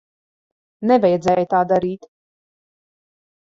Nevajadzēja tā darīt.